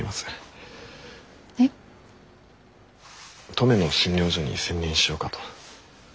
登米の診療所に専念しようかと。